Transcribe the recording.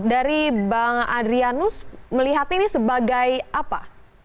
dari bang adrianus melihat ini sebagai apa